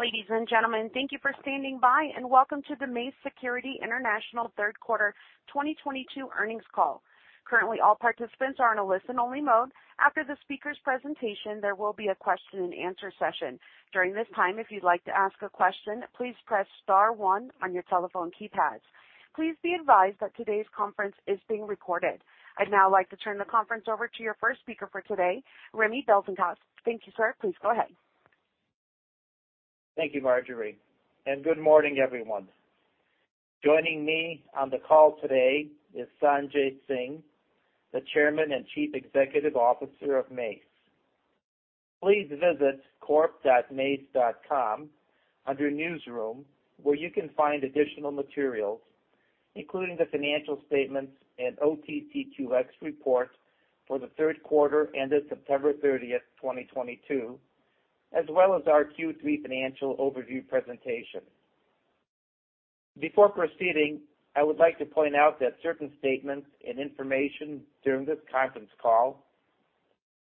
Ladies and gentlemen, thank you for standing by, and welcome to the Mace Security International third quarter 2022 earnings call. Currently, all participants are in a listen-only mode. After the speakers' presentation, there will be a question and answer session. During this time, if you'd like to ask a question, please press star one on your telephone keypads. Please be advised that today's conference is being recorded. I'd now like to turn the conference over to your first speaker for today, Remigijus Belzinskas. Thank you, sir. Please go ahead. Thank you, Marjorie, and good morning, everyone. Joining me on the call today is Sanjay Singh, the Chairman and Chief Executive Officer of Mace. Please visit corp.mace.com under Newsroom, where you can find additional materials, including the financial statements and OTCQX report for the third quarter ended September 30, 2022, as well as our Q3 financial overview presentation. Before proceeding, I would like to point out that certain statements and information during this conference call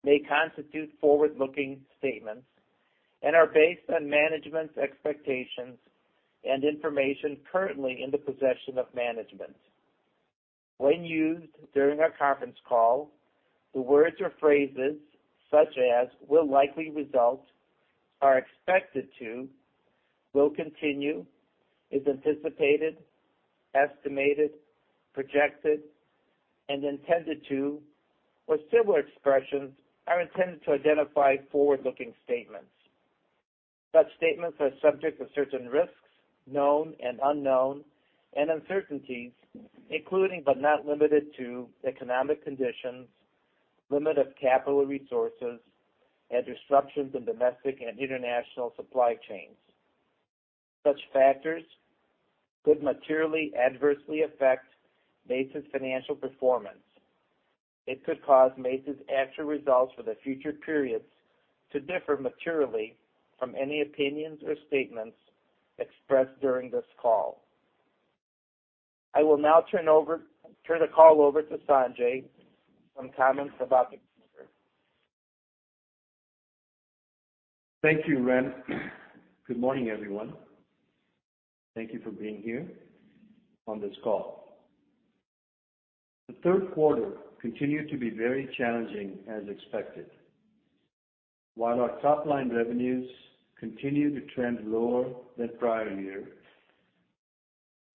may constitute forward-looking statements and are based on management's expectations and information currently in the possession of management. When used during our conference call, the words or phrases such as will likely result, are expected to, will continue, is anticipated, estimated, projected, and intended to, or similar expressions, are intended to identify forward-looking statements. Such statements are subject to certain risks, known and unknown, and uncertainties, including but not limited to economic conditions, limit of capital resources, and disruptions in domestic and international supply chains. Such factors could materially adversely affect Mace's financial performance. It could cause Mace's actual results for the future periods to differ materially from any opinions or statements expressed during this call. I will now turn the call over to Sanjay for some comments about the quarter. Thank you, Remigijus. Good morning, everyone. Thank you for being here on this call. The third quarter continued to be very challenging, as expected. While our top-line revenues continue to trend lower than prior year,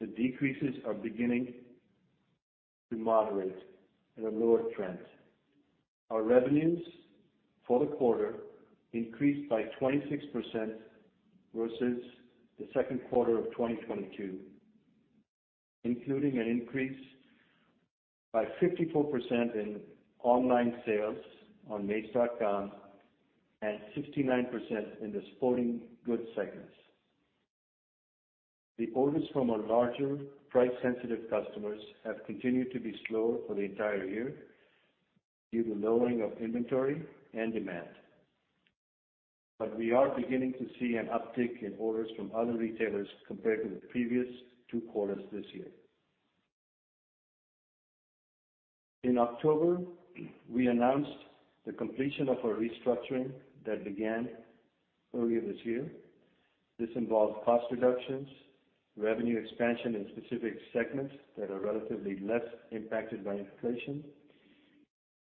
the decreases are beginning to moderate at a lower trend. Our revenues for the quarter increased by 26% versus the second quarter of 2022, including an increase by 54% in online sales on mace.com and 69% in the sporting goods segments. The orders from our larger price-sensitive customers have continued to be slow for the entire year due to lowering of inventory and demand. We are beginning to see an uptick in orders from other retailers compared to the previous two quarters this year. In October, we announced the completion of our restructuring that began earlier this year. This involved cost reductions, revenue expansion in specific segments that are relatively less impacted by inflation,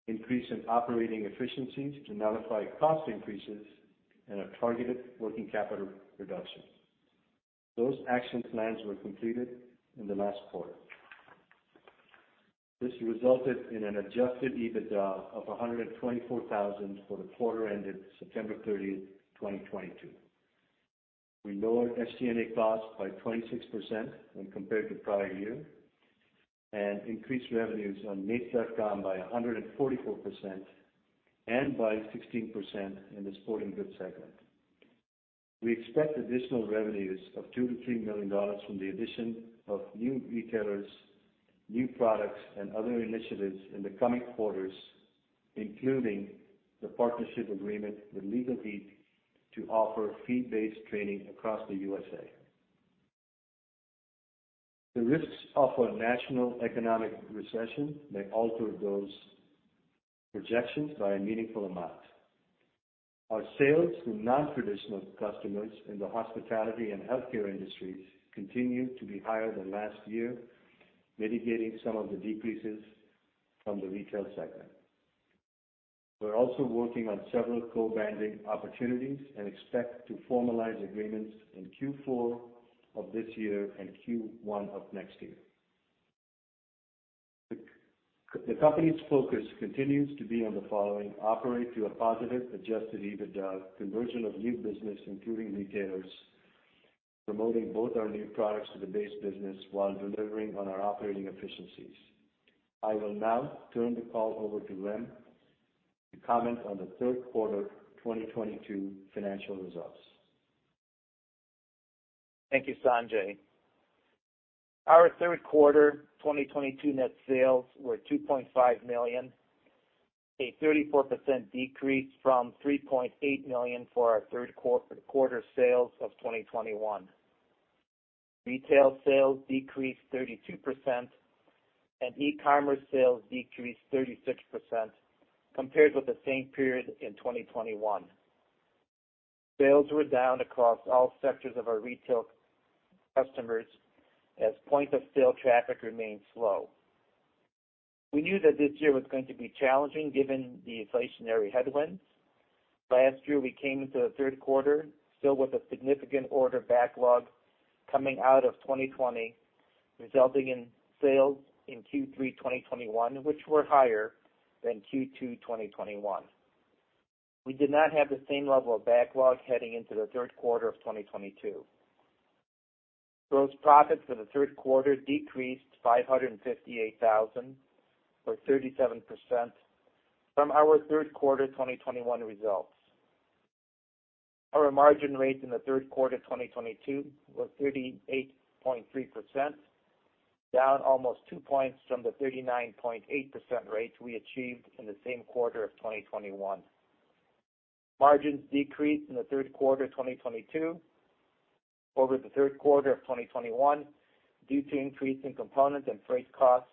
increase in operating efficiencies to nullify cost increases, and a targeted working capital reduction. Those action plans were completed in the last quarter. This resulted in an adjusted EBITDA of $124,000 for the quarter ended September 30, 2022. We lowered SG&A costs by 26% when compared to prior year and increased revenues on mace.com by 144% and by 16% in the sporting goods segment. We expect additional revenues of $2 million-$3 million from the addition of new retailers, new products, and other initiatives in the coming quarters, including the partnership agreement with Legal Heat to offer fee-based training across the USA. The risks of a national economic recession may alter those projections by a meaningful amount. Our sales to nontraditional customers in the hospitality and healthcare industries continue to be higher than last year, mitigating some of the decreases from the retail segment. We're also working on several co-branding opportunities and expect to formalize agreements in Q4 of this year and Q1 of next year. The company's focus continues to be on the following. Operate to a positive adjusted EBITDA, conversion of new business, including retailers, promoting both our new products to the base business while delivering on our operating efficiencies. I will now turn the call over to Remigijus to comment on the third quarter 2022 financial results. Thank you, Sanjay. Our third quarter 2022 net sales were $2.5 million, a 34% decrease from $3.8 million for our third quarter sales of 2021. Retail sales decreased 32% and e-commerce sales decreased 36% compared with the same period in 2021. Sales were down across all sectors of our retail customers as point of sale traffic remained slow. We knew that this year was going to be challenging given the inflationary headwinds. Last year, we came into the third quarter still with a significant order backlog coming out of 2020, resulting in sales in Q3 2021, which were higher than Q2 2021. We did not have the same level of backlog heading into the third quarter of 2022. Gross profit for the third quarter decreased $558,000, or 37% from our third quarter 2021 results. Our margin rates in the third quarter 2022 were 38.3%, down almost two points from the 39.8% rates we achieved in the same quarter of 2021. Margins decreased in the third quarter 2022 over the third quarter of 2021 due to increase in components and freight costs,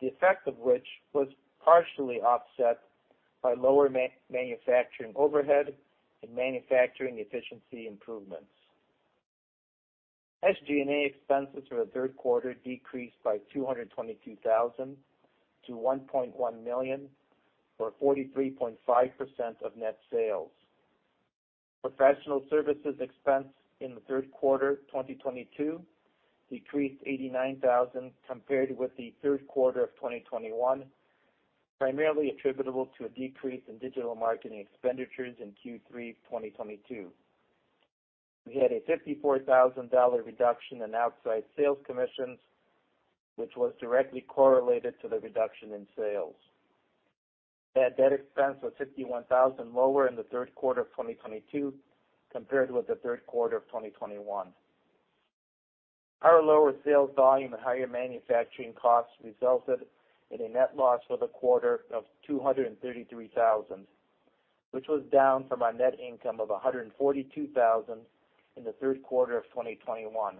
the effect of which was partially offset by lower manufacturing overhead and manufacturing efficiency improvements. SG&A expenses for the third quarter decreased by $222,000 to $1.1 million, or 43.5% of net sales. Professional services expense in the third quarter 2022 decreased $89,000 compared with the third quarter of 2021, primarily attributable to a decrease in digital marketing expenditures in Q3 2022. We had a $54,000 reduction in outside sales commissions, which was directly correlated to the reduction in sales. Bad debt expense was $51,000 lower in the third quarter of 2022 compared with the third quarter of 2021. Our lower sales volume and higher manufacturing costs resulted in a net loss for the quarter of $233,000, which was down from our net income of $142,000 in the third quarter of 2021.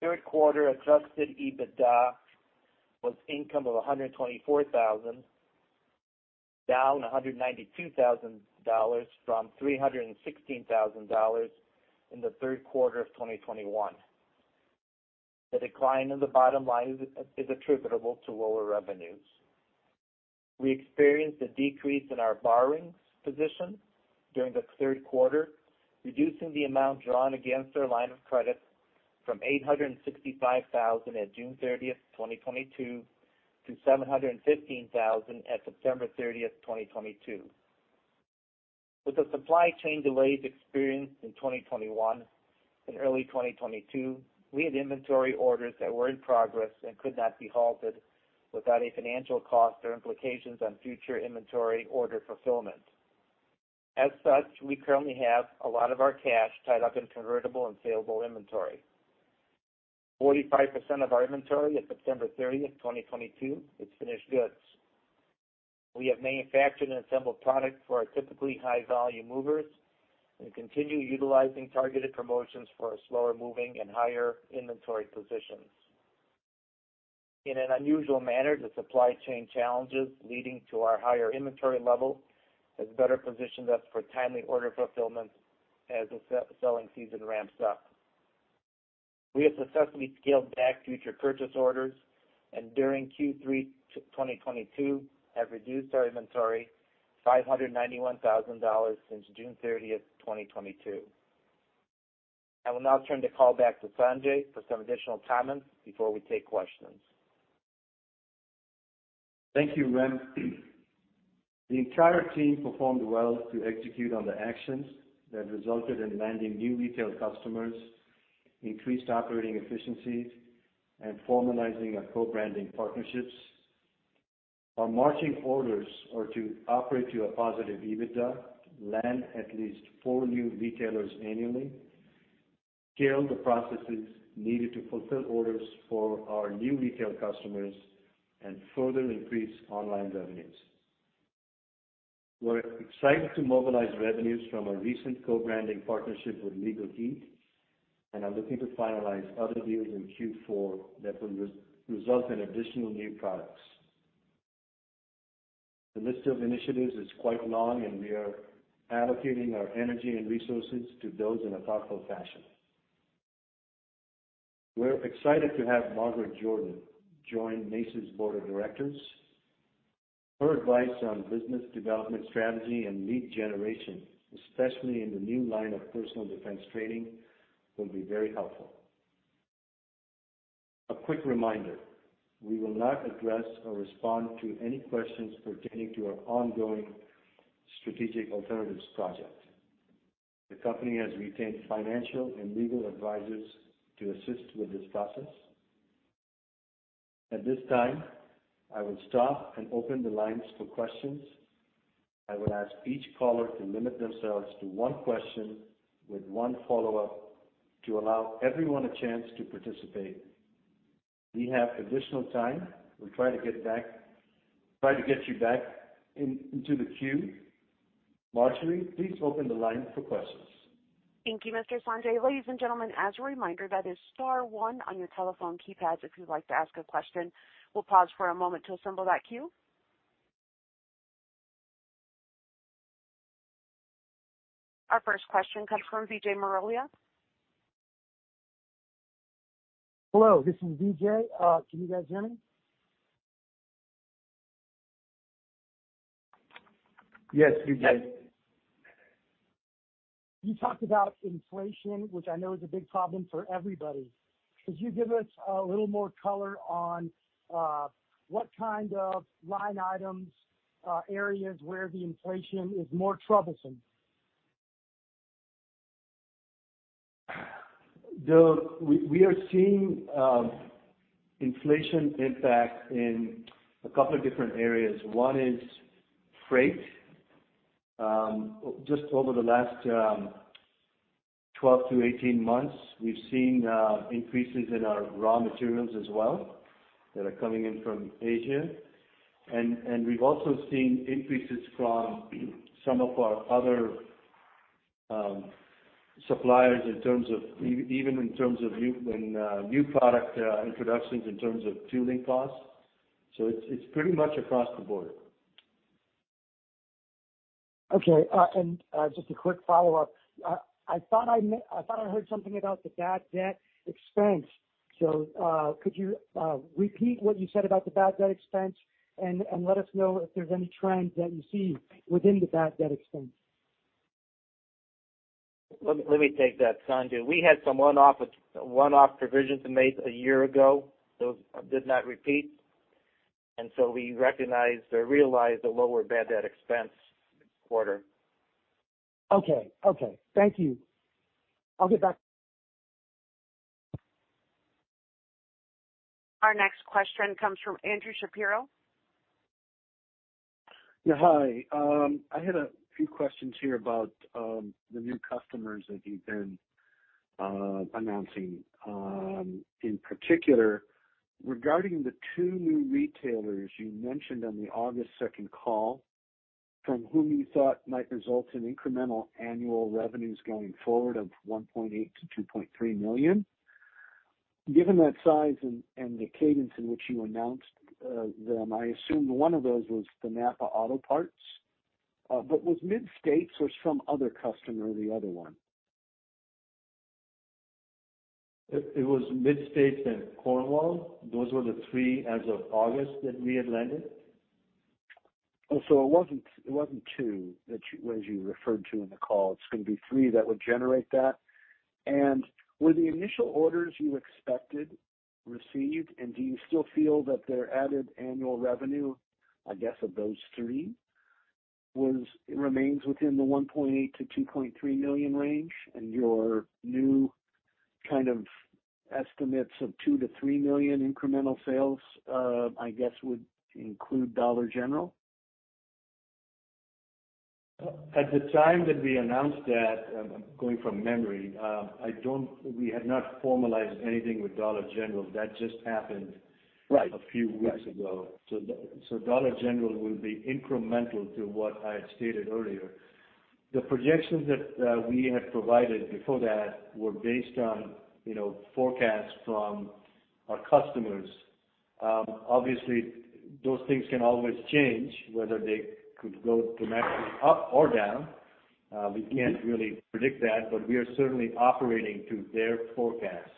Third quarter adjusted EBITDA was income of $124,000, down $192,000 from $316,000 in the third quarter of 2021. The decline in the bottom line is attributable to lower revenues. We experienced a decrease in our borrowings position during the third quarter, reducing the amount drawn against our line of credit from $865,000 at June 30, 2022 to $715,000 at September 30, 2022. With the supply chain delays experienced in 2021 and early 2022, we had inventory orders that were in progress and could not be halted without a financial cost or implications on future inventory order fulfillment. As such, we currently have a lot of our cash tied up in convertible and saleable inventory. 45% of our inventory at September 30, 2022 is finished goods. We have manufactured and assembled product for our typically high-volume movers and continue utilizing targeted promotions for our slower-moving and higher inventory positions. In an unusual manner, the supply chain challenges leading to our higher inventory level has better positioned us for timely order fulfillment as the high-selling season ramps up. We have successfully scaled back future purchase orders and during Q3 2022 have reduced our inventory $591,000 since June 30th, 2022. I will now turn the call back to Sanjay for some additional comments before we take questions. Thank you, Remigijus. The entire team performed well to execute on the actions that resulted in landing new retail customers, increased operating efficiencies, and formalizing our co-branding partnerships. Our marching orders are to operate to a positive EBITDA, land at least four new retailers annually, scale the processes needed to fulfill orders for our new retail customers, and further increase online revenues. We're excited to mobilize revenues from our recent co-branding partnership with Legal Heat, and are looking to finalize other deals in Q4 that will result in additional new products. The list of initiatives is quite long, and we are allocating our energy and resources to those in a thoughtful fashion. We're excited to have Margaret Jordan join Mace's Board of Directors. Her advice on business development strategy and lead generation, especially in the new line of personal defense training, will be very helpful. A quick reminder, we will not address or respond to any questions pertaining to our ongoing strategic alternatives project. The company has retained financial and legal advisors to assist with this process. At this time, I will stop and open the lines for questions. I would ask each caller to limit themselves to one question with one follow-up to allow everyone a chance to participate. We have additional time. We'll try to get you back in the queue. Marjorie, please open the line for questions. Thank you, Mr. Sanjay. Ladies and gentlemen, as a reminder, that is star one on your telephone keypads if you'd like to ask a question. We'll pause for a moment to assemble that queue. Our first question comes from Vijay Marolia. Hello, this is Vijay. Can you guys hear me? Yes, we can. You talked about inflation, which I know is a big problem for everybody. Could you give us a little more color on, what kind of line items, areas where the inflation is more troublesome? We are seeing inflation impact in a couple of different areas. One is freight. Just over the last 12-18 months, we've seen increases in our raw materials as well, that are coming in from Asia. We've also seen increases from some of our other suppliers in terms of even in terms of new product introductions in terms of tooling costs. It's pretty much across the board. Okay. Just a quick follow-up. I thought I heard something about the bad debt expense. Could you repeat what you said about the bad debt expense, and let us know if there's any trends that you see within the bad debt expense? Let me take that, Sanjay. We had some one-off provisions we made a year ago. Those did not repeat. We recognized or realized a lower bad debt expense this quarter. Okay. Okay. Thank you. I'll get back. Our next question comes from Andrew Shapiro. Yeah, hi. I had a few questions here about the new customers that you've been announcing. In particular, regarding the two new retailers you mentioned on the August 2 call, from whom you thought might result in incremental annual revenues going forward of $1.8 million-$2.3 million. Given that size and the cadence in which you announced them, I assume one of those was the NAPA Auto Parts. But was Mid-States or some other customer the other one? It was Mid-States and Cornwall. Those were the three as of August that we had landed. Oh, it wasn't two that you as you referred to in the call, it's gonna be three that would generate that. Were the initial orders you expected received, and do you still feel that their added annual revenue, I guess of those three, remains within the $1.8 million-$2.3 million range, and your new kind of estimates of $2 million-$3 million incremental sales, I guess, would include Dollar General? At the time that we announced that, I'm going from memory, we had not formalized anything with Dollar General. That just happened. Right. A few weeks ago. Dollar General will be incremental to what I had stated earlier. The projections that we had provided before that were based on, you know, forecasts from our customers. Obviously those things can always change, whether they could go dramatically up or down. We can't really predict that, but we are certainly operating to their forecasts.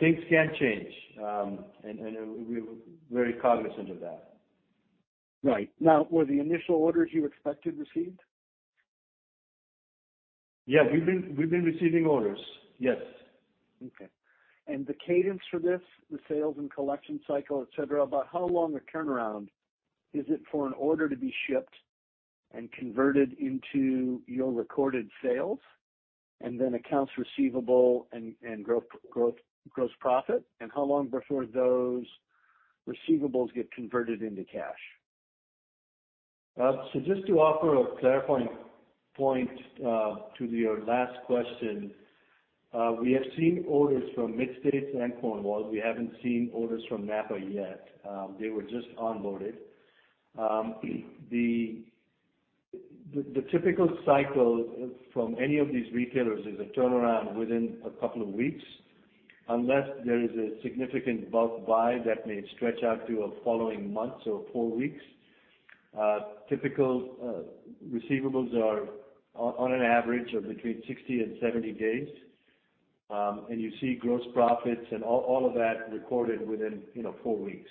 Things can change, and we're very cognizant of that. Right. Now, were the initial orders you expected received? Yeah. We've been receiving orders. Yes. Okay. The cadence for this, the sales and collection cycle, et cetera, about how long a turnaround is it for an order to be shipped and converted into your recorded sales, and then accounts receivable and gross profit? How long before those receivables get converted into cash? Just to offer a clarifying point to your last question, we have seen orders from Mid-States and Cornwall. We haven't seen orders from NAPA yet. They were just onboarded. The typical cycle from any of these retailers is a turnaround within a couple of weeks, unless there is a significant bulk buy that may stretch out to a following month, so four weeks. Typical receivables are on an average of between 60 and 70 days. You see gross profits and all of that recorded within, you know, four weeks.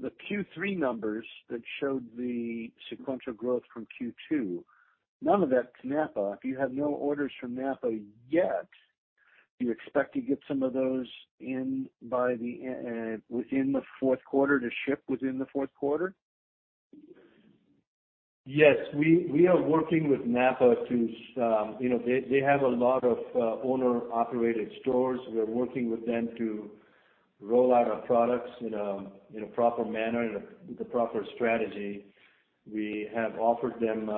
The Q3 numbers that showed the sequential growth from Q2, none of that's NAPA. If you have no orders from NAPA yet, do you expect to get some of those in by the end, within the fourth quarter to ship within the fourth quarter? Yes. We are working with NAPA to, you know, they have a lot of owner-operated stores. We're working with them to roll out our products in a proper manner and with the proper strategy. We have offered them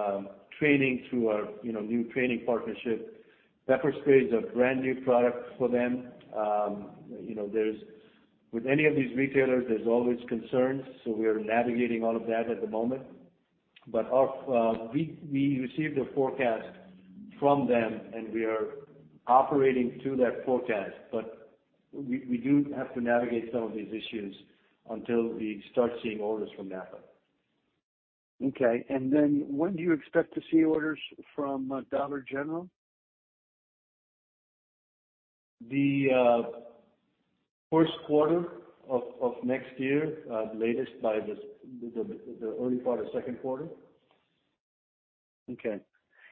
training through our, you know, new training partnership. Pepper spray is a brand-new product for them. You know, with any of these retailers, there's always concerns, so we are navigating all of that at the moment. But we received a forecast from them, and we are operating to that forecast. But we do have to navigate some of these issues until we start seeing orders from NAPA. Okay. When do you expect to see orders from Dollar General? The first quarter of next year, latest by the early part of second quarter. Okay.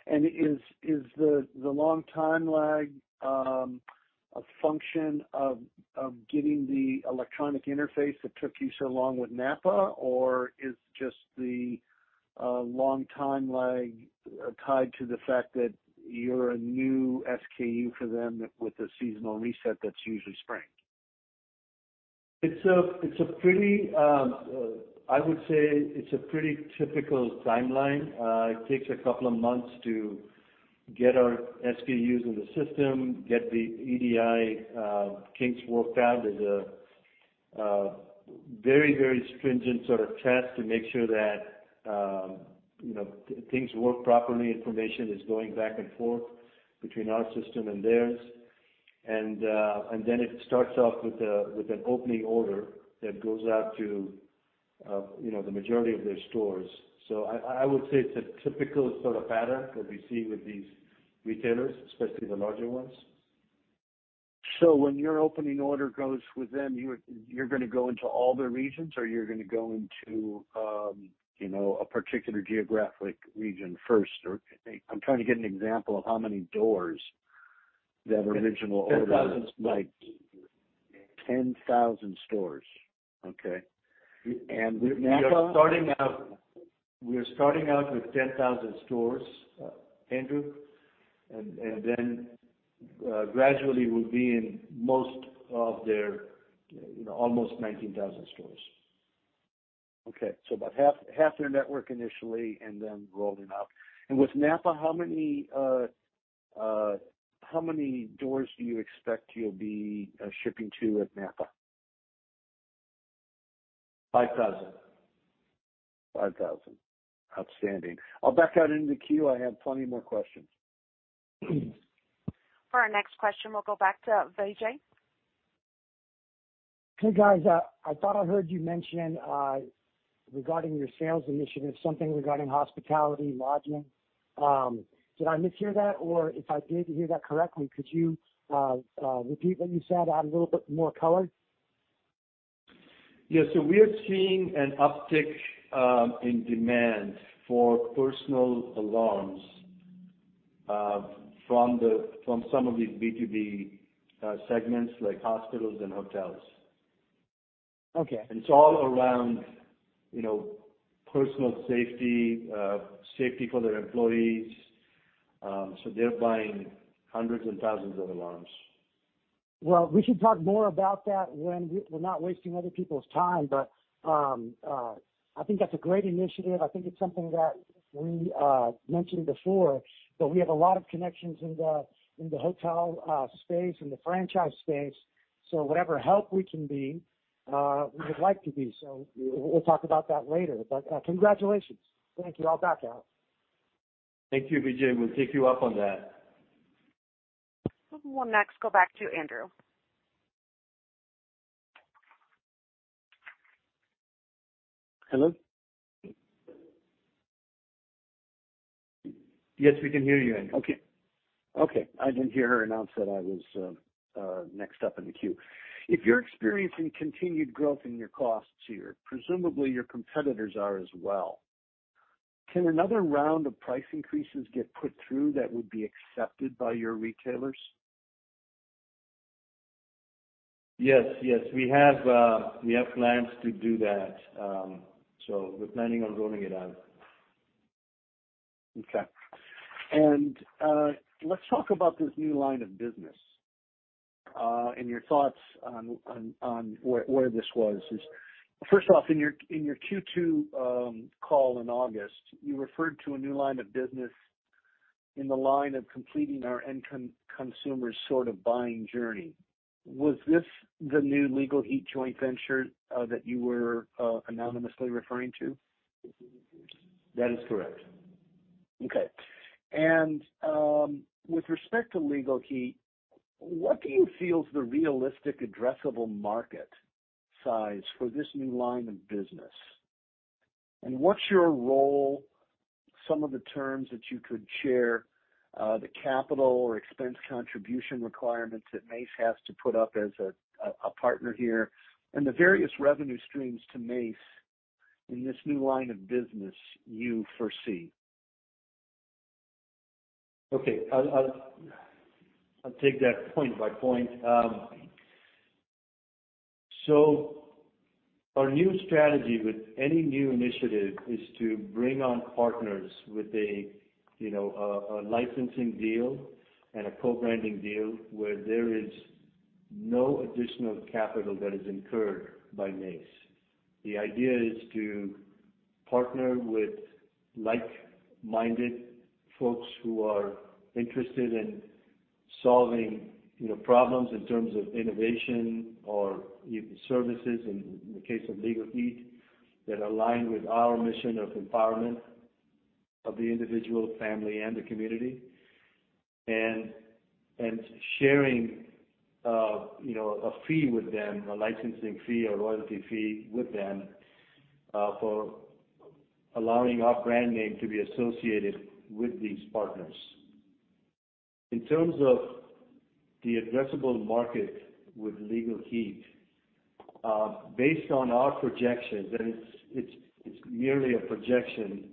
Is the long time lag a function of getting the electronic interface that took you so long with NAPA? Or is just the long time lag tied to the fact that you're a new SKU for them with a seasonal reset that's usually spring? I would say it's a pretty typical timeline. It takes a couple of months to get our SKUs in the system, get the EDI kinks worked out. There's a very stringent sort of test to make sure that, you know, things work properly, information is going back and forth between our system and theirs. Then it starts off with an opening order that goes out to, you know, the majority of their stores. I would say it's a typical sort of pattern that we see with these retailers, especially the larger ones. When your opening order goes with them, you're gonna go into all their regions, or you're gonna go into, you know, a particular geographic region first? Or I'm trying to get an example of how many doors that original order 10,000 stores. Like 10,000 stores. Okay. With NAPA- We are starting out with 10,000 stores, Andrew, and then gradually we'll be in most of their, you know, almost 19,000 stores. Okay. About half their network initially and then rolling out. With NAPA, how many doors do you expect you'll be shipping to with NAPA? 5,000. 5,000. Outstanding. I'll back out into queue. I have plenty more questions. For our next question, we'll go back to Vijay. Hey, guys. I thought I heard you mention, regarding your sales initiative, something regarding hospitality and lodging. Did I mishear that? Or if I did hear that correctly, could you repeat what you said, add a little bit more color? Yes. We are seeing an uptick in demand for personal alarms from some of these B2B segments like hospitals and hotels. Okay. It's all around, you know, personal safety for their employees. They're buying hundreds and thousands of alarms. Well, we should talk more about that when we're not wasting other people's time, but I think that's a great initiative. I think it's something that we mentioned before, but we have a lot of connections in the hotel space and the franchise space. Whatever help we can be, we would like to be. We'll talk about that later. Congratulations. Thank you. I'll back out. Thank you, Vijay. We'll take you up on that. We'll next go back to Andrew. Hello? Yes, we can hear you, Andrew. Okay. I didn't hear her announce that I was next up in the queue. If you're experiencing continued growth in your costs here, presumably your competitors are as well. Can another round of price increases get put through that would be accepted by your retailers? Yes. Yes. We have plans to do that. We're planning on rolling it out. Okay. Let's talk about this new line of business, and your thoughts on where this was. First off, in your Q2 call in August, you referred to a new line of business in line with completing our end-to-consumer sort of buying journey. Was this the new Legal Heat joint venture that you were anonymously referring to? That is correct. Okay. With respect to Legal Heat, what do you feel is the realistic addressable market size for this new line of business? What's your role, some of the terms that you could share, the capital or expense contribution requirements that Mace has to put up as a partner here, and the various revenue streams to Mace in this new line of business you foresee? Okay. I'll take that point by point. So our new strategy with any new initiative is to bring on partners with a, you know, a licensing deal and a co-branding deal where there is no additional capital that is incurred by Mace. The idea is to partner with like-minded folks who are interested in solving, you know, problems in terms of innovation or services in case of Legal Heat, that align with our mission of empowerment of the individual, family and the community. Sharing, you know, a fee with them, a licensing fee or royalty fee with them, for allowing our brand name to be associated with these partners. In terms of the addressable market with Legal Heat, based on our projections, and it's merely a projection,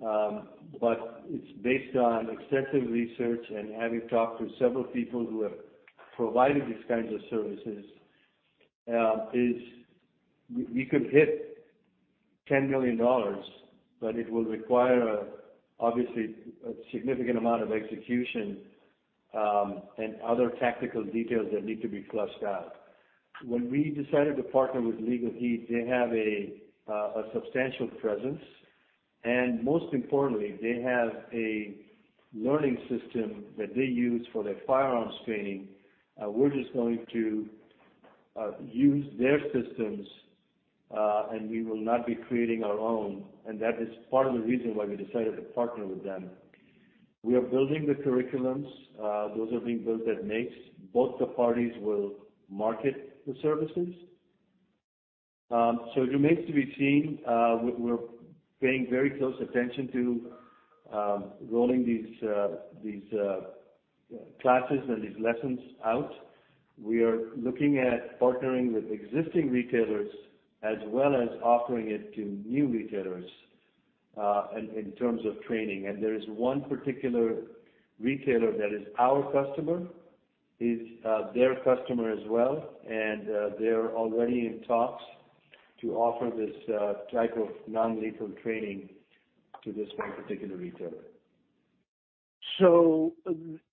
but it's based on extensive research and having talked to several people who have provided these kinds of services, we could hit $10 million, but it will require, obviously, a significant amount of execution, and other tactical details that need to be fleshed out. When we decided to partner with Legal Heat, they have a substantial presence, and most importantly, they have a learning system that they use for their firearms training. We're just going to use their systems, and we will not be creating our own. That is part of the reason why we decided to partner with them. We are building the curriculums. Those are being built at Mace. Both the parties will market the services. It remains to be seen. We're paying very close attention to rolling these classes and these lessons out. We are looking at partnering with existing retailers as well as offering it to new retailers in terms of training. There is one particular retailer that is our customer, their customer as well, and they're already in talks to offer this type of non-lethal training to this one particular retailer.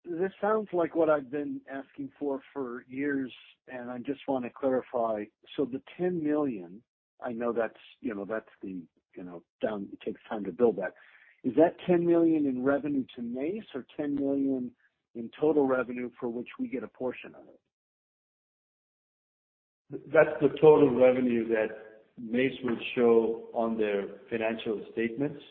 This sounds like what I've been asking for for years, and I just wanna clarify. The $10 million, I know that's, you know, that's the, you know, it takes time to build that. Is that $10 million in revenue to Mace or $10 million in total revenue for which we get a portion of it? That's the total revenue that Mace will show on their financial statements.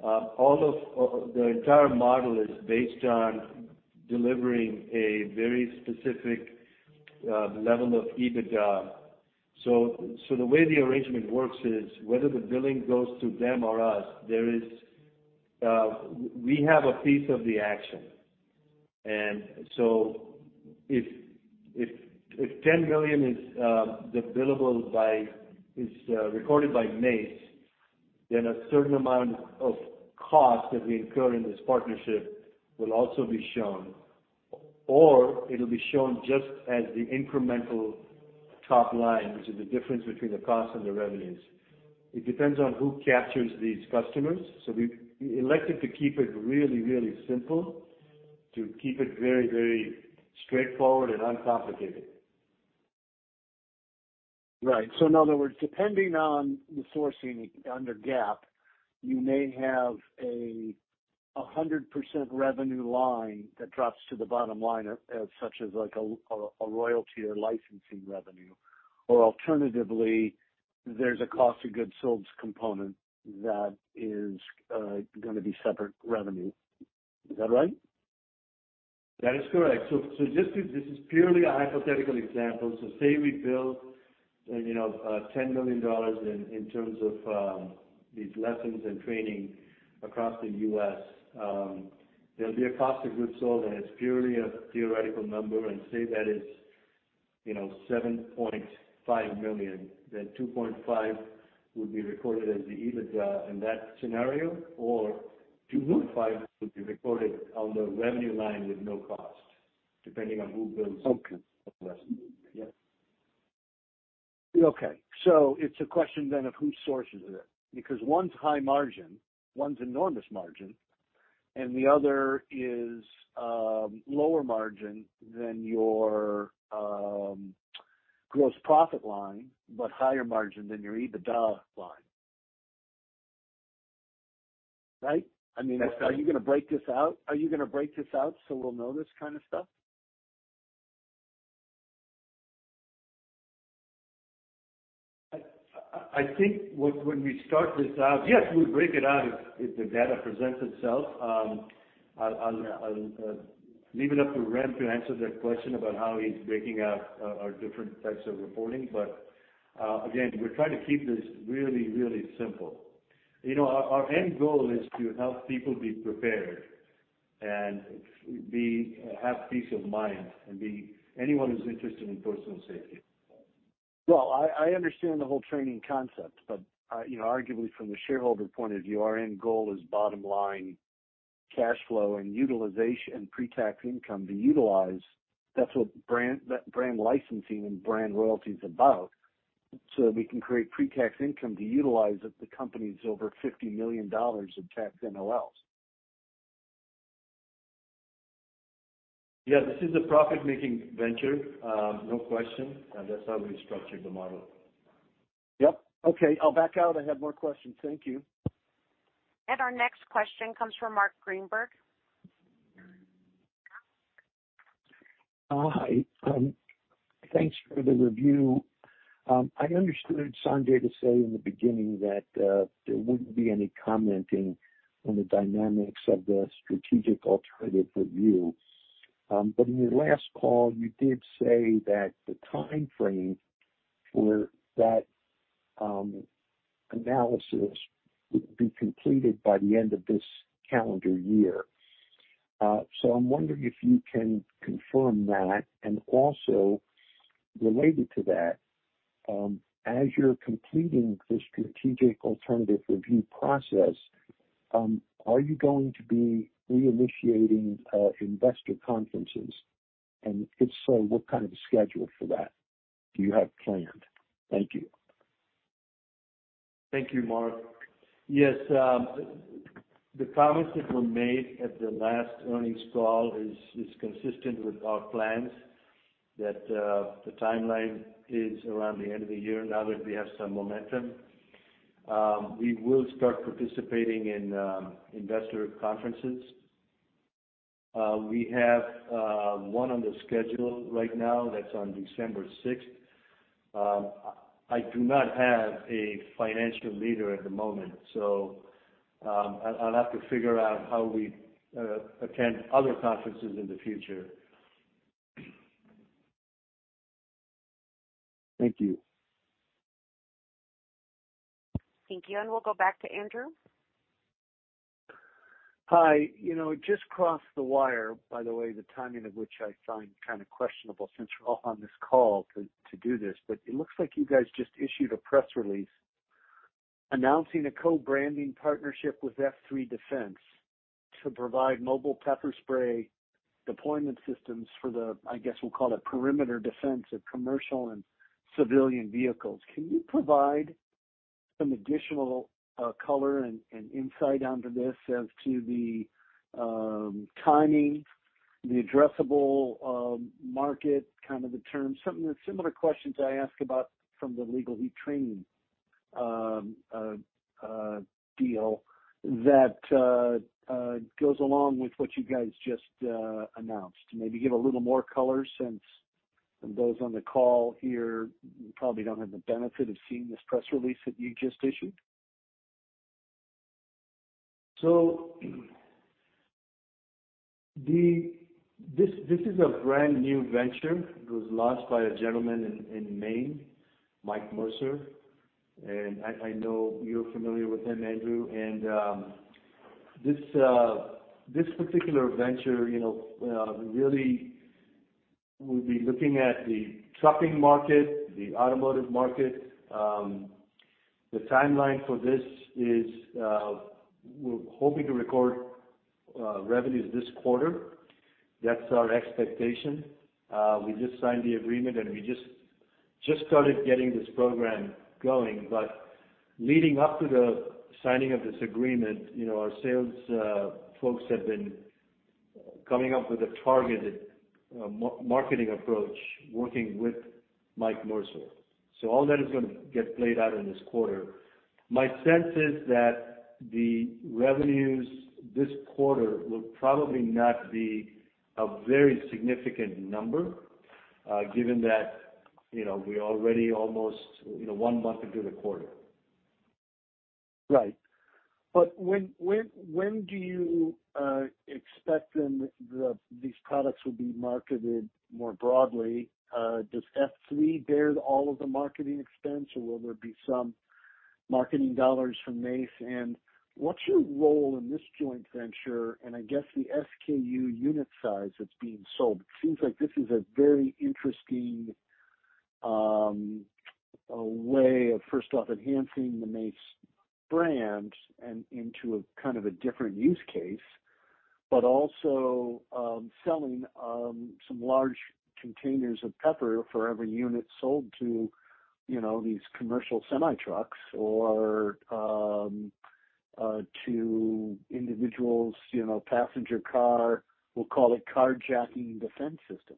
The entire model is based on delivering a very specific level of EBITDA. The way the arrangement works is whether the billing goes to them or us, there is, we have a piece of the action. If $10 million is recorded by Mace, then a certain amount of cost that we incur in this partnership will also be shown, or it'll be shown just as the incremental top line, which is the difference between the cost and the revenues. It depends on who captures these customers. We elected to keep it really simple, to keep it very straightforward and uncomplicated. Right. In other words, depending on the sourcing under GAAP, you may have a 100% revenue line that drops to the bottom line, such as like a royalty or licensing revenue. Or alternatively, there's a cost of goods sold component that is gonna be separate revenue. Is that right? That is correct. This is purely a hypothetical example. Say we bill, you know, $10 million in terms of these lessons and training across the U.S., there'll be a cost of goods sold, and it's purely a theoretical number, and say that is, you know, $7.5 million. 2.5 will be recorded as the EBITDA in that scenario, or 2.5 will be recorded on the revenue line with no cost, depending on who bills. Okay. The lesson. Yes. Okay. It's a question then of who sources it, because one's high margin, one's enormous margin, and the other is lower margin than your gross profit line, but higher margin than your EBITDA line. Right? I mean. That's right. Are you gonna break this out? Are you gonna break this out, so we'll know this kind of stuff? When we start this out. Yes, we'll break it out if the data presents itself. I'll leave it up to Remigijus to answer that question about how he's breaking out our different types of reporting. Again, we're trying to keep this really, really simple. You know, our end goal is to help people be prepared and have peace of mind and be anyone who's interested in personal safety. Well, I understand the whole training concept, but, you know, arguably from the shareholder point of view, our end goal is bottom line cash flow and utilization pre-tax income to utilize. That's what brand licensing and brand royalty is about. We can create pre-tax income to utilize the company's over $50 million of tax NOLs. Yeah, this is a profit-making venture. No question. That's how we structured the model. Yep. Okay. I'll back out. I have more questions. Thank you. Our next question comes from Mark Greenberg. Hi. Thanks for the review. I understood Sanjay to say in the beginning that there wouldn't be any commenting on the dynamics of the strategic alternative review. In your last call, you did say that the timeframe for that analysis would be completed by the end of this calendar year. I'm wondering if you can confirm that. Related to that, as you're completing the strategic alternative review process, are you going to be reinitiating investor conferences? If so, what kind of schedule for that do you have planned? Thank you. Thank you, Mark. Yes. The comments that were made at the last earnings call is consistent with our plans that the timeline is around the end of the year now that we have some momentum. We will start participating in investor conferences. We have one on the schedule right now. That's on December 6th. I do not have a financial leader at the moment, so I'll have to figure out how we attend other conferences in the future. Thank you. Thank you. We'll go back to Andrew. Hi. You know, it just crossed the wire, by the way, the timing of which I find kinda questionable since we're all on this call to do this. It looks like you guys just issued a press release announcing a co-branding partnership with F3Defense to provide mobile pepper spray deployment systems for the, I guess, we'll call it perimeter defense of commercial and civilian vehicles. Can you provide some additional color and insight onto this as to the timing, the addressable market, kind of the terms? Some of the similar questions I ask about from the Legal Heat training deal that goes along with what you guys just announced. Maybe give a little more color since those on the call here probably don't have the benefit of seeing this press release that you just issued. This is a brand new venture. It was launched by a gentleman in Maine, Mike Mercer, and I know you're familiar with him, Andrew. This particular venture, you know, really will be looking at the trucking market, the automotive market. The timeline for this is, we're hoping to record revenues this quarter. That's our expectation. We just signed the agreement, and we just started getting this program going. Leading up to the signing of this agreement, you know, our sales folks have been coming up with a targeted marketing approach working with Mike Mercer. All that is gonna get played out in this quarter. My sense is that the revenues this quarter will probably not be a very significant number, given that, you know, we're already almost, you know, one month into the quarter. Right. When do you expect then these products will be marketed more broadly? Does F3 bear all of the marketing expense or will there be some marketing dollars from Mace? What's your role in this joint venture? I guess the SKU unit size that's being sold. It seems like this is a very interesting way of first off enhancing the Mace brand and into a kind of a different use case, but also selling some large containers of pepper for every unit sold to, you know, these commercial semi-trucks or to individuals, you know, passenger car, we'll call it carjacking defense system.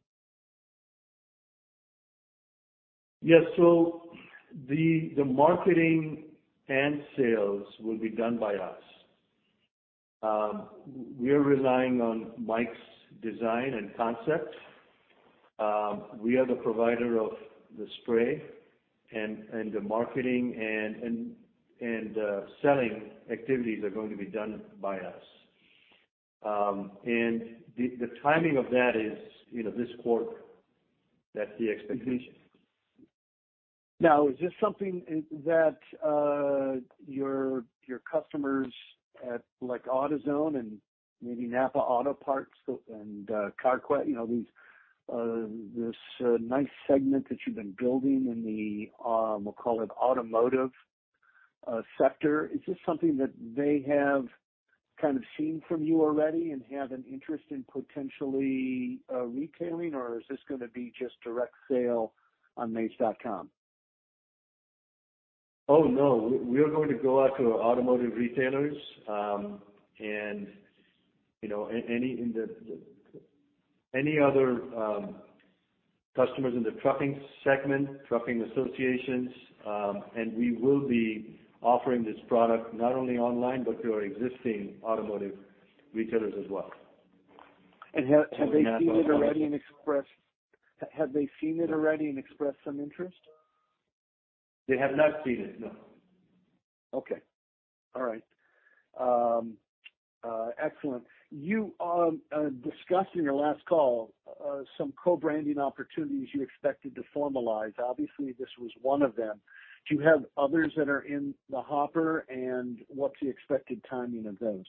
Yes. The marketing and sales will be done by us. We are relying on Mike Mercer's design and concept. We are the provider of the spray and the marketing and selling activities are going to be done by us. The timing of that is, you know, this quarter. That's the expectation. Now, is this something that your customers at like AutoZone and maybe NAPA Auto Parts and Carquest, you know, these this nice segment that you've been building in the, we'll call it automotive sector. Is this something that they have kind of seen from you already and have an interest in potentially retailing, or is this gonna be just direct sale on mace.com? Oh, no, we are going to go out to automotive retailers, and, you know, any other customers in the trucking segment, trucking associations, and we will be offering this product not only online but through our existing automotive retailers as well. Have they seen it already and expressed some interest? They have not seen it, no. Okay. All right. Excellent. You discussed in your last call some co-branding opportunities you expected to formalize. Obviously, this was one of them. Do you have others that are in the hopper, and what's the expected timing of those?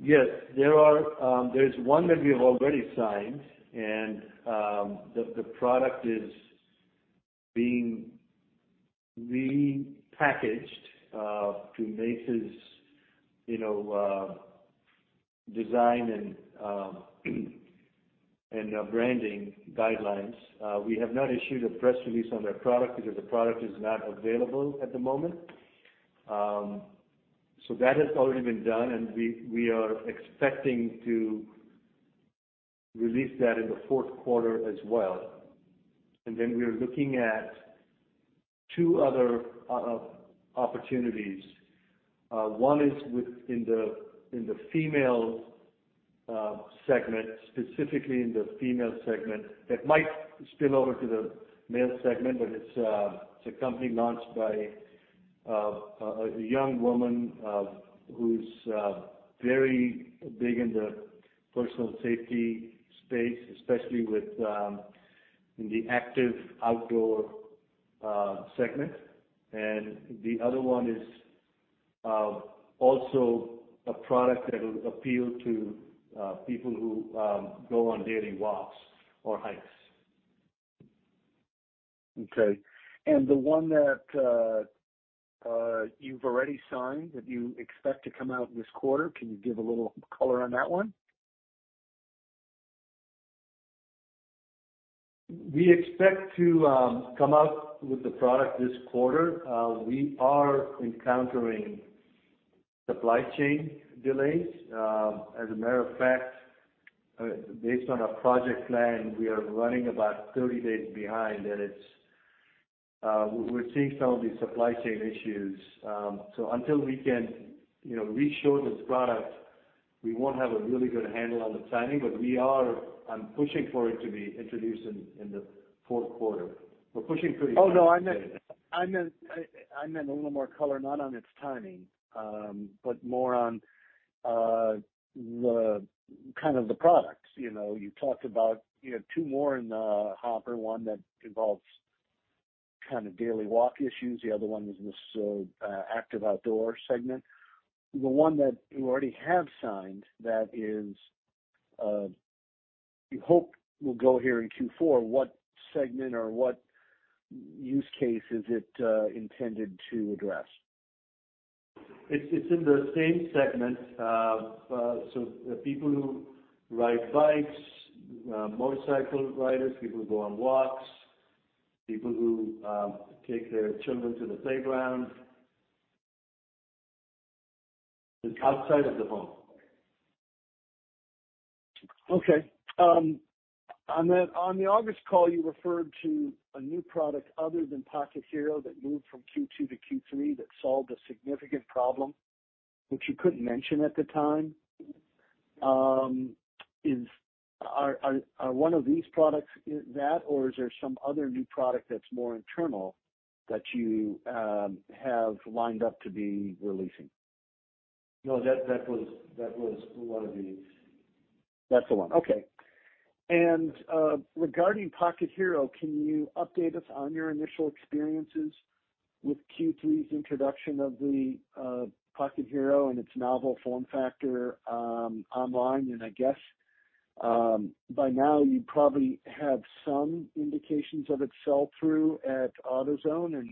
Yes. There's one that we have already signed, and the product is being repackaged to Mace's, you know, design and branding guidelines. We have not issued a press release on that product because the product is not available at the moment. That has already been done, and we are expecting to release that in the fourth quarter as well. We are looking at two other opportunities. One is in the female segment, specifically in the female segment, that might spill over to the male segment, but it's a company launched by a young woman, who's very big in the personal safety space, especially in the active outdoor segment. The other one is also a product that will appeal to people who go on daily walks or hikes. Okay. The one that you've already signed, that you expect to come out this quarter, can you give a little color on that one? We expect to come out with the product this quarter. We are encountering supply chain delays. As a matter of fact, based on our project plan, we are running about 30 days behind, and we're seeing some of these supply chain issues. Until we can, you know, reshow this product, we won't have a really good handle on the timing, but we are pushing for it to be introduced in the fourth quarter. We're pushing pretty hard for that. Oh, no, I meant a little more color, not on its timing, but more on the kind of products. You know, you talked about, you know, two more in the hopper, one that involves kind of daily walk issues. The other one is in this active outdoor segment. The one that you already have signed that is you hope will go here in Q4, what segment or what use case is it intended to address? It's in the same segment. People who ride bikes, motorcycle riders, people who go on walks, people who take their children to the playground. It's outside of the home. Okay. On the August call, you referred to a new product other than Pocket Hero that moved from Q2 to Q3 that solved a significant problem, which you couldn't mention at the time. Are one of these products that, or is there some other new product that's more internal that you have lined up to be releasing? No. That was one of these. That's the one. Okay. Regarding Pocket Hero, can you update us on your initial experiences with Q3's introduction of the Pocket Hero and its novel form factor online? I guess by now you probably have some indications of its sell through at AutoZone,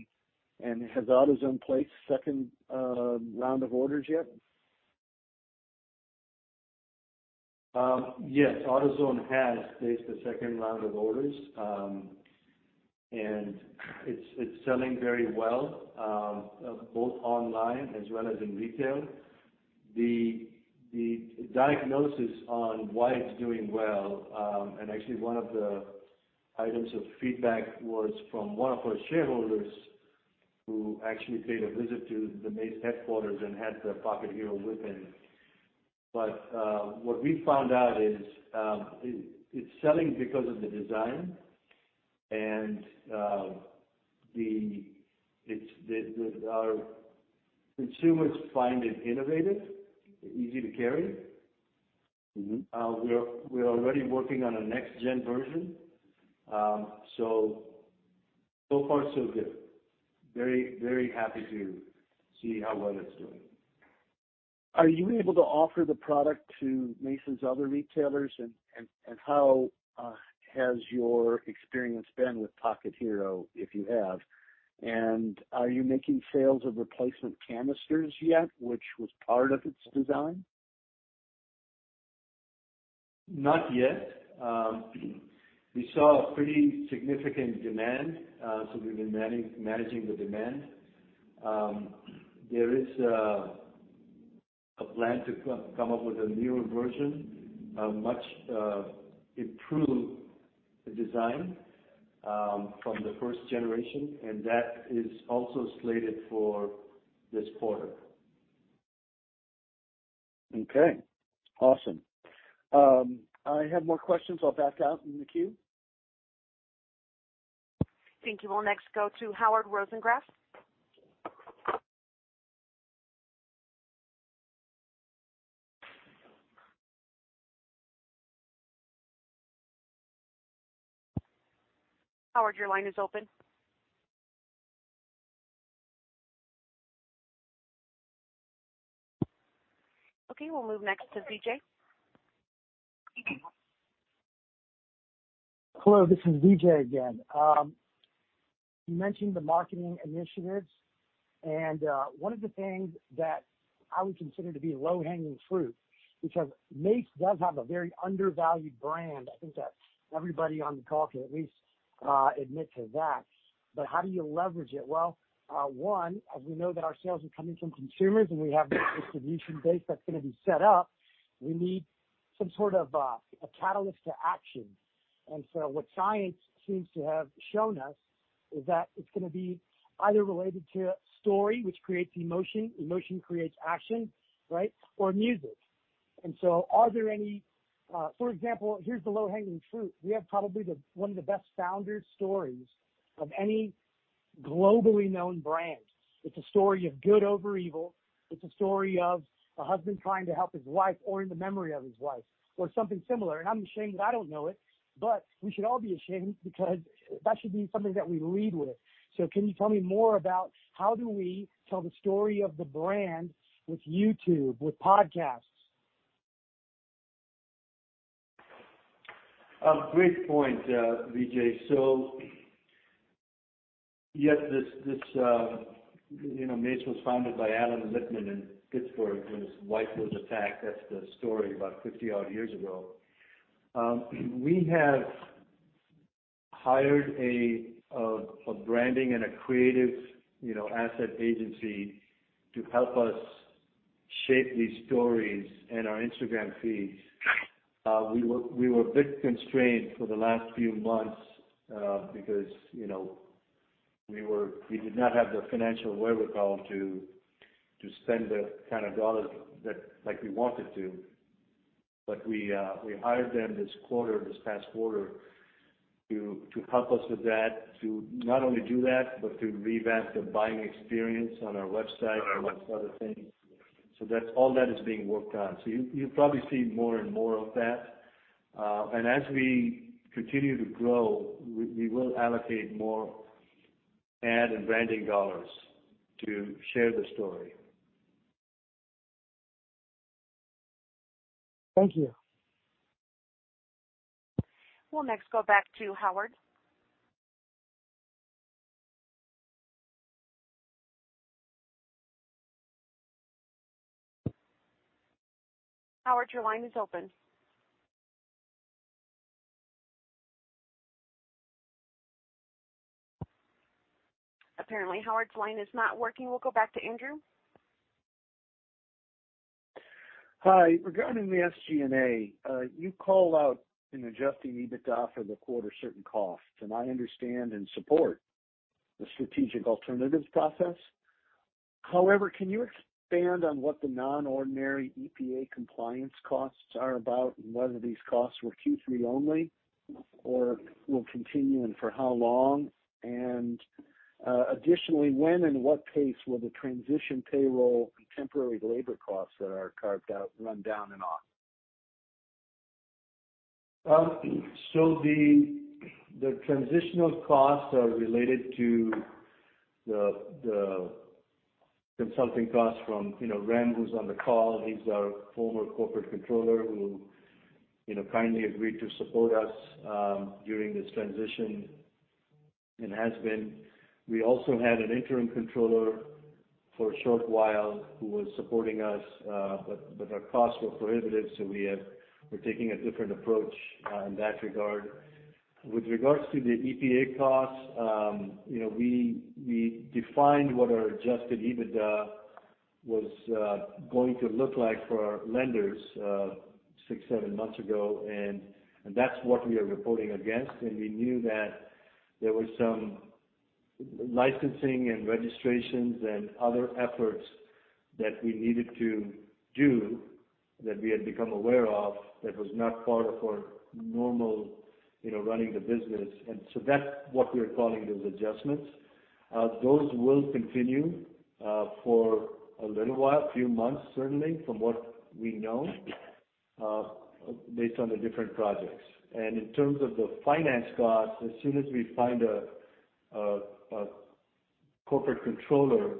and has AutoZone placed second round of orders yet? Yes, AutoZone has placed a second round of orders. It's selling very well, both online as well as in retail. The diagnosis on why it's doing well and actually one of the items of feedback was from one of our shareholders who actually paid a visit to the Mace headquarters and had the Pocket Hero with him. What we found out is it's selling because of the design and our consumers find it innovative, easy to carry. Mm-hmm. We are already working on a next-gen version. So far so good. Very happy to see how well it's doing. Are you able to offer the product to Mace's other retailers? How has your experience been with Pocket Hero, if you have? Are you making sales of replacement canisters yet, which was part of its design? Not yet. We saw a pretty significant demand, so we've been managing the demand. There is a plan to come up with a newer version of Mace, improved design, from the first generation, and that is also slated for this quarter. Okay, awesome. I have more questions. I'll back out in the queue. Thank you. We'll next go to Howard Rosenkrantz. Howard, your line is open. Okay, we'll move next to Vijay. Hello, this is Vijay again. You mentioned the marketing initiatives, and one of the things that I would consider to be low-hanging fruit, because Mace does have a very undervalued brand. I think that everybody on the call can at least admit to that. How do you leverage it? Well, one, as we know that our sales are coming from consumers, and we have this distribution base that's gonna be set up, we need some sort of a catalyst to action. What science seems to have shown us is that it's gonna be either related to story, which creates emotion creates action, right? Or music. Are there any, for example, here's the low-hanging fruit. We have probably the one of the best founder stories of any globally known brand. It's a story of good over evil. It's a story of a husband trying to help his wife or in the memory of his wife or something similar. I'm ashamed that I don't know it, but we should all be ashamed because that should be something that we lead with. Can you tell me more about how do we tell the story of the brand with YouTube, with podcasts? Great point, Vijay. Yes, this you know, Mace was founded by Alan Litman in Pittsburgh when his wife was attacked. That's the story about 50-odd years ago. We have hired a branding and a creative ad agency to help us shape these stories and our Instagram feeds. We were a bit constrained for the last few months because you know we did not have the financial wherewithal to spend the kind of dollars that like we wanted to. But we hired them this quarter, this past quarter to help us with that, to not only do that, but to revamp the buying experience on our website among other things. That's all that is being worked on. You will probably see more and more of that. As we continue to grow, we will allocate more ad and branding dollars to share the story. Thank you. We'll next go back to Howard. Howard, your line is open. Apparently, Howard's line is not working. We'll go back to Andrew. Hi. Regarding the SG&A, you call out an adjusting EBITDA for the quarter certain costs, and I understand and support the strategic alternatives process. However, can you expand on what the non-ordinary EPA compliance costs are about and whether these costs were Q3 only or will continue and for how long? Additionally, when and what pace will the transition payroll and temporary labor costs that are carved out run down and off? The transitional costs are related to the consulting costs from you know, Remigijus who's on the call. He's our former corporate controller who you know, kindly agreed to support us during this transition and has been. We also had an interim controller for a short while who was supporting us, but our costs were prohibitive, so we're taking a different approach in that regard. With regards to the EPA costs, you know, we defined what our adjusted EBITDA was going to look like for our lenders six to seven months ago. That's what we are reporting against. We knew that there was some licensing and registrations and other efforts that we needed to do that we had become aware of that was not part of our normal you know, running the business. That's what we're calling those adjustments. Those will continue for a little while, a few months, certainly from what we know, based on the different projects. In terms of the finance costs, as soon as we find a corporate controller,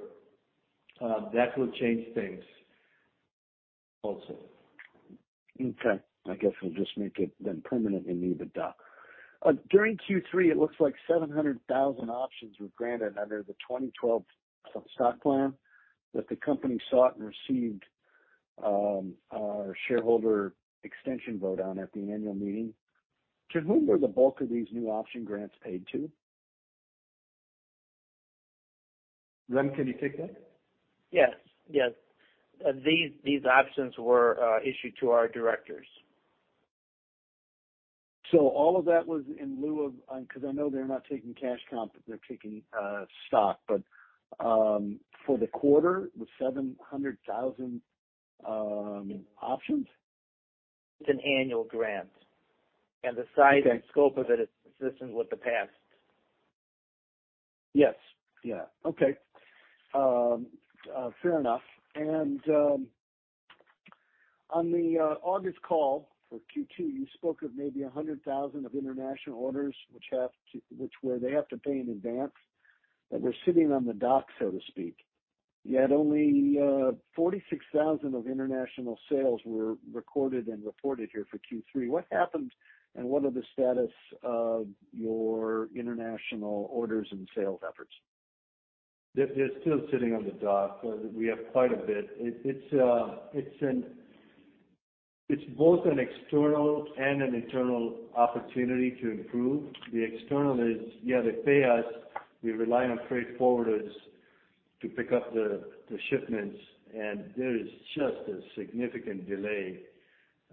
that will change things also. Okay. I guess we'll just make it then permanent in the docket. During Q3, it looks like 700,000 options were granted under the 2012 stock plan that the company sought and received shareholder extension vote on at the annual meeting. To whom were the bulk of these new option grants paid to? Remigijus, can you take that? Yes. These options were issued to our directors. All of that was in lieu of. Because I know they're not taking cash comp, but they're taking stock. For the quarter, the 700,000 options? It's an annual grant. Okay. The size and scope of it is consistent with the past. Yes. Yeah. Okay. Fair enough. On the August call for Q2, you spoke of maybe $100,000 of international orders, which, where they have to pay in advance, that were sitting on the dock, so to speak, yet only $46,000 of international sales were recorded and reported here for Q3. What happened and what are the status of your international orders and sales efforts? They're still sitting on the dock. We have quite a bit. It's both an external and an internal opportunity to improve. The external is, yeah, they pay us. We rely on freight forwarders to pick up the shipments, and there is just a significant delay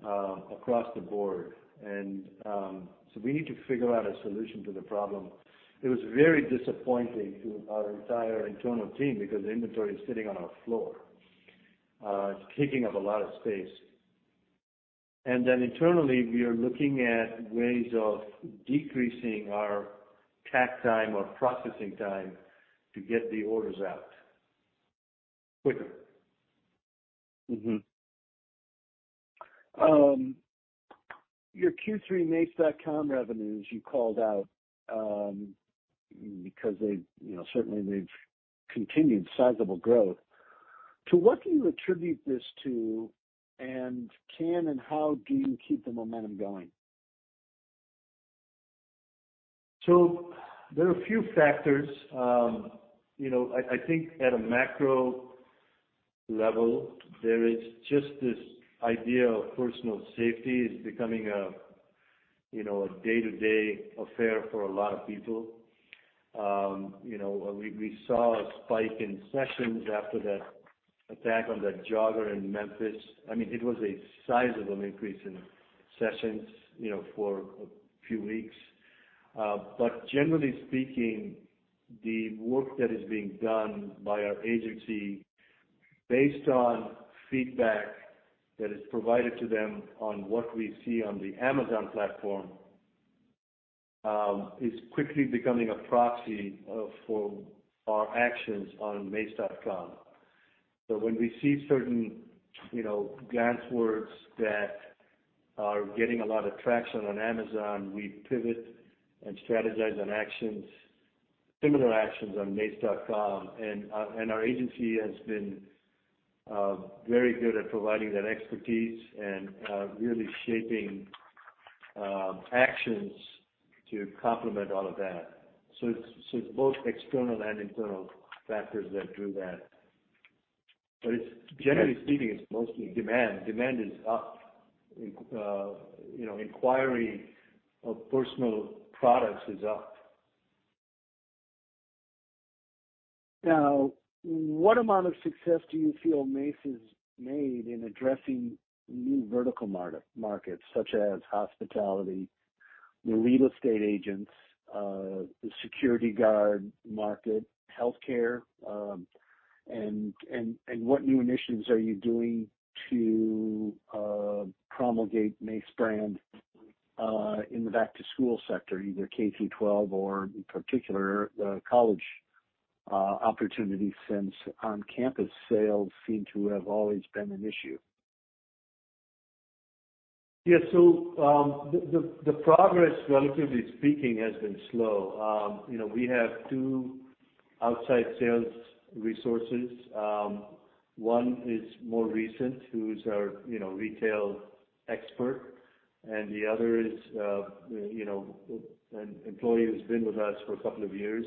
across the board. We need to figure out a solution to the problem. It was very disappointing to our entire internal team because the inventory is sitting on our floor, it's taking up a lot of space. Internally, we are looking at ways of decreasing our takt time or processing time to get the orders out quicker. Your Q3 mace.com revenues you called out, because they, you know, certainly they've continued sizable growth. To what do you attribute this to? How do you keep the momentum going? There are a few factors. I think at a macro level, there is just this idea of personal safety is becoming a day-to-day affair for a lot of people. We saw a spike in sessions after that attack on that jogger in Memphis. I mean, it was a sizable increase in sessions for a few weeks. Generally speaking, the work that is being done by our agency based on feedback that is provided to them on what we see on the Amazon platform is quickly becoming a proxy for our actions on mace.com. When we see certain, you know, keywords that are getting a lot of traction on Amazon, we pivot and strategize on actions, similar actions on mace.com. Our agency has been very good at providing that expertise and really shaping actions to complement all of that. It's both external and internal factors that do that. It's generally speaking mostly demand. Demand is up. You know, inquiry of personal products is up. Now, what amount of success do you feel Mace has made in addressing new vertical market, such as hospitality, the real estate agents, the security guard market, healthcare, and what new initiatives are you doing to promulgate Mace brand in the back-to-school sector, either K-12 or in particular, the college opportunities, since on-campus sales seem to have always been an issue? Yeah. The progress, relatively speaking, has been slow. You know, we have two outside sales resources. One is more recent, who's our, you know, retail expert, and the other is, you know, an employee who's been with us for a couple of years,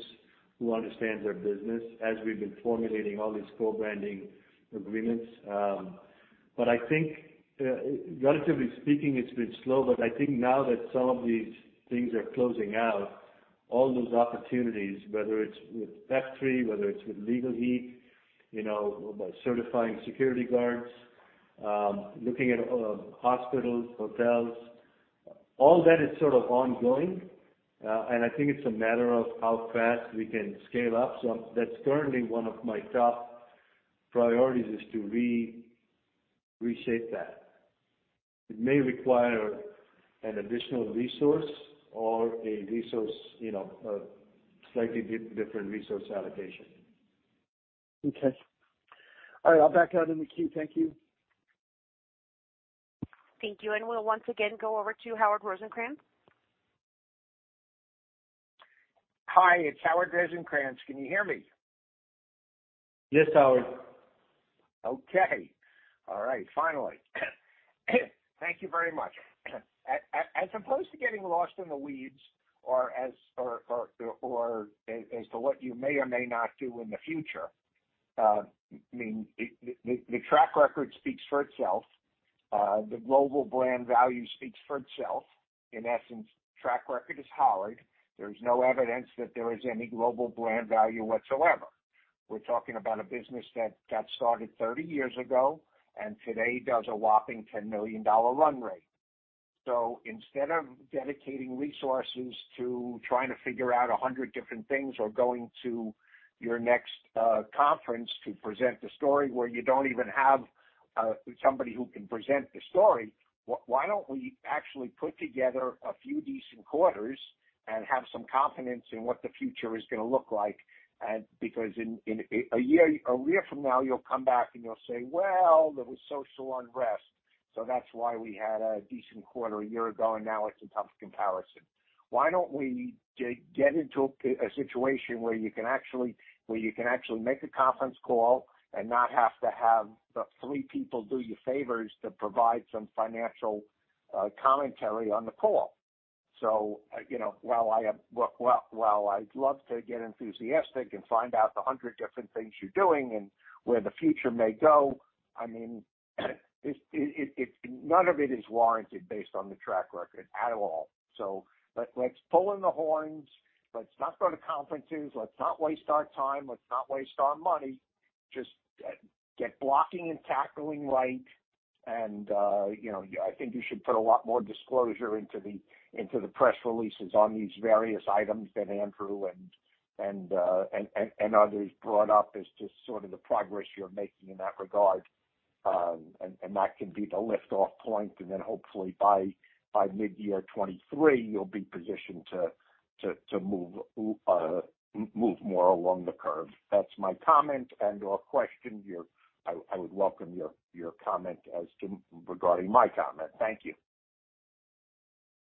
who understands our business as we've been formulating all these co-branding agreements. I think, relatively speaking, it's been slow, but I think now that some of these things are closing out, all those opportunities, whether it's with F3, whether it's with Legal Heat, you know, by certifying security guards, looking at hospitals, hotels, all that is sort of ongoing. I think it's a matter of how fast we can scale up. That's currently one of my top priorities is to re-reshape that. It may require an additional resource or a resource, you know, a slightly different resource allocation. Okay. All right. I'll back out in the queue. Thank you. Thank you. We'll once again go over to Howard Rosenkrantz. Hi, it's Howard Rosenkrantz. Can you hear me? Yes, Howard. Okay. All right, finally. Thank you very much. As opposed to getting lost in the weeds or as to what you may or may not do in the future, I mean, the track record speaks for itself. The global brand value speaks for itself. In essence, track record is hollow. There's no evidence that there is any global brand value whatsoever. We're talking about a business that got started 30 years ago, and today does a whopping $10 million run rate. Instead of dedicating resources to trying to figure out 100 different things or going to your next conference to present the story where you don't even have somebody who can present the story, why don't we actually put together a few decent quarters and have some confidence in what the future is gonna look like? Because in a year from now, you'll come back, and you'll say, "Well, there was social unrest, so that's why we had a decent quarter a year ago, and now it's a tough comparison." Why don't we get into a situation where you can actually make a conference call and not have to have the three people do you favors to provide some financial commentary on the call. You know, while well, while I'd love to get enthusiastic and find out the hundred different things you're doing and where the future may go, I mean, it none of it is warranted based on the track record at all. Let's pull in the horns. Let's not go to conferences. Let's not waste our time. Let's not waste our money. Just get blocking and tackling right. You know, I think you should put a lot more disclosure into the press releases on these various items that Andrew and others brought up as to sort of the progress you're making in that regard. That can be the lift-off point, and then hopefully by mid-year 2023, you'll be positioned to move more along the curve. That's my comment or question. You, I would welcome your comment as to regarding my comment. Thank you.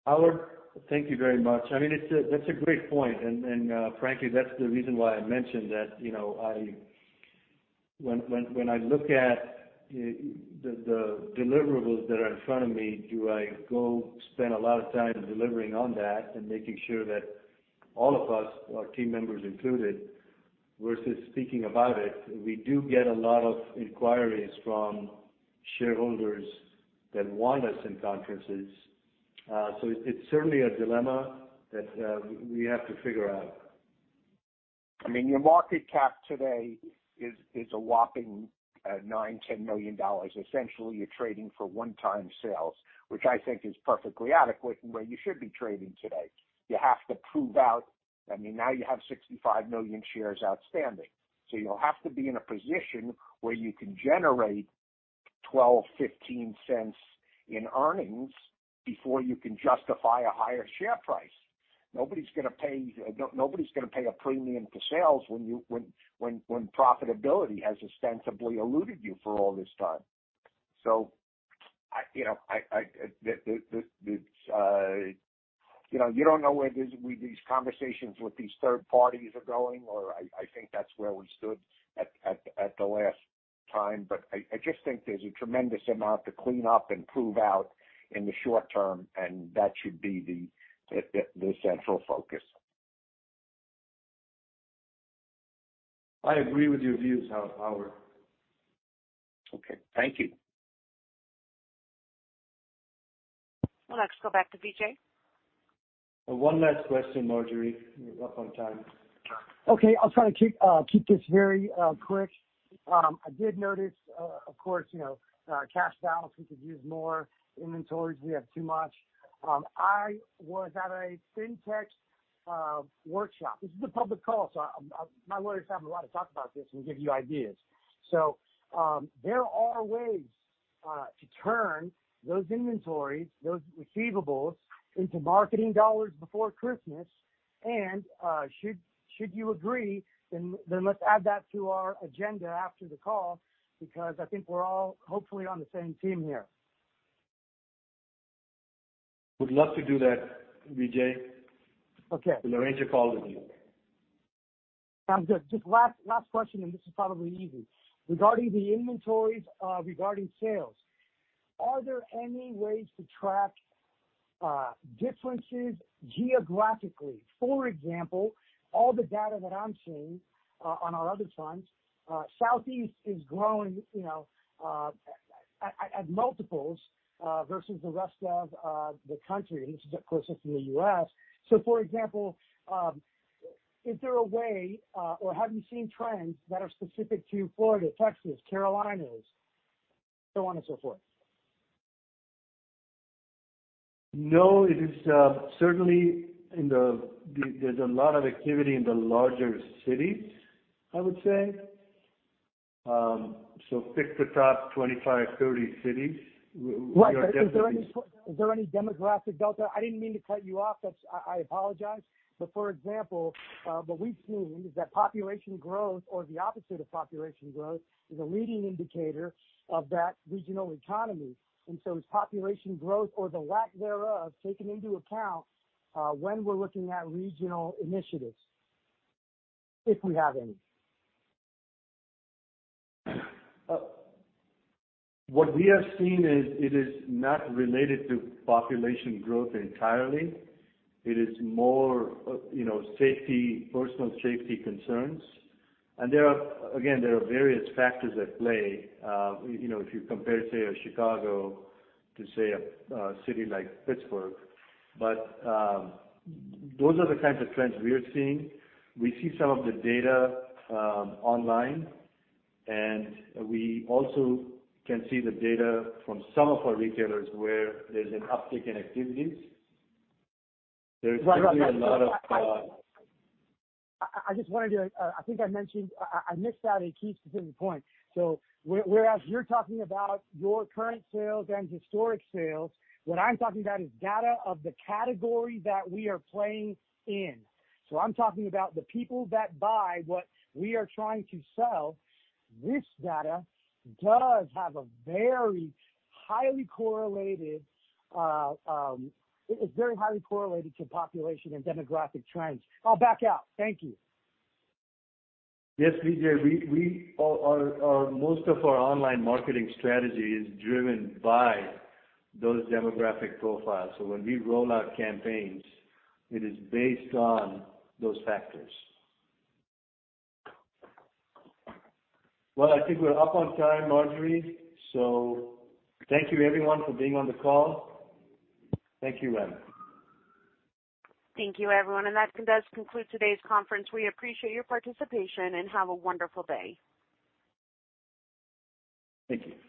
Howard, thank you very much. I mean, that's a great point. Frankly, that's the reason why I mentioned that, you know. When I look at the deliverables that are in front of me, do I go spend a lot of time delivering on that and making sure that all of us, our team members included, versus speaking about it? We do get a lot of inquiries from shareholders that want us in conferences. It's certainly a dilemma that we have to figure out. I mean, your market cap today is a whopping $9 million-$10 million. Essentially, you're trading for one-time sales, which I think is perfectly adequate and where you should be trading today. You have to prove out. I mean, now you have 65 million shares outstanding. You'll have to be in a position where you can generate $0.12-$0.15 in earnings before you can justify a higher share price. Nobody's gonna pay a premium for sales when profitability has ostensibly eluded you for all this time. You know, you don't know where these conversations with these third parties are going, or I think that's where we stood at the last time. I just think there's a tremendous amount to clean up and prove out in the short term, and that should be the central focus. I agree with your views, Howard. Okay. Thank you. We'll next go back to Vijay. One last question, Marjorie. We're up on time. Okay. I'll try to keep this very quick. I did notice, of course, you know, cash balance, we could use more. Inventories, we have too much. I was at a fintech workshop. This is a public call, so my lawyers have a lot to talk about this and give you ideas. There are ways to turn those inventories, those receivables into marketing dollars before Christmas. Should you agree, then let's add that to our agenda after the call, because I think we're all hopefully on the same team here. Would love to do that, Vijay. Okay. We'll arrange a call with you. Sounds good. Just last question, and this is probably easy. Regarding the inventories, regarding sales, are there any ways to track differences geographically? For example, all the data that I'm seeing on our other funds, Southeast is growing, you know, at multiples versus the rest of the country. This is, of course, just in the U.S. For example, is there a way or have you seen trends that are specific to Florida, Texas, Carolinas, so on and so forth? No. There's a lot of activity in the larger cities, I would say. Pick the top 25-30 cities. Right. Is there any demographic delta? I didn't mean to cut you off. That's. I apologize. But for example, what we've seen is that population growth or the opposite of population growth is a leading indicator of that regional economy. Is population growth or the lack thereof taken into account, when we're looking at regional initiatives? If we have any. What we have seen is it is not related to population growth entirely. It is more, you know, safety, personal safety concerns. Again, there are various factors at play. You know, if you compare, say, Chicago to, say, a city like Pittsburgh. Those are the kinds of trends we are seeing. We see some of the data online, and we also can see the data from some of our retailers where there's an uptick in activities. There's certainly a lot of I just wanted to. I think I mentioned I missed out a key specific point. Whereas you're talking about your current sales and historic sales, what I'm talking about is data of the category that we are playing in. I'm talking about the people that buy what we are trying to sell. This data is very highly correlated to population and demographic trends. I'll back out. Thank you. Yes, Vijay. Most of our online marketing strategy is driven by those demographic profiles. When we roll out campaigns, it is based on those factors. Well, I think we're up on time, Marjorie. Thank you everyone for being on the call. Thank you, Remigijus. Thank you, everyone. That does conclude today's conference. We appreciate your participation, and have a wonderful day. Thank you.